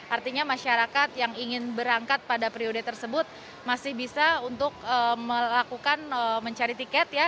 artinya masyarakat yang ingin berangkat pada periode tersebut masih bisa untuk melakukan mencari tiket ya